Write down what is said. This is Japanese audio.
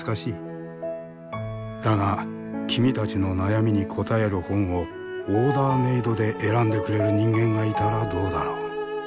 だが君たちの悩みに答える本をオーダーメードで選んでくれる人間がいたらどうだろう？